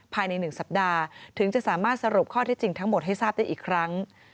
ภายใน๑สัปดาห์ถึงจะสามารถสรุปข้อที่จริงทั้งหมดให้ทราบได้อีกครั้ง